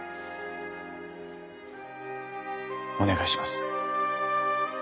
お願いします。